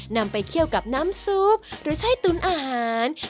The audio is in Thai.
นำไปเคี่ยวกับน้ำซุปหรือใช้ตุ๋นอาหาร